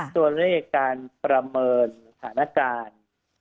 ส่วนเรื่องการประเมินสถานการณ์